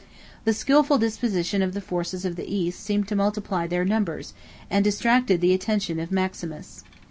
The skilful disposition of the forces of the East seemed to multiply their numbers, and distracted the attention of Maximus.